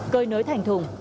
cơi nới thành thùng